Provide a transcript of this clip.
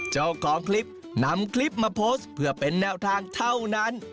เจ้าของคลิปนำคลิปมาโพสต์เพื่อเป็นแนวทางเท่านั้น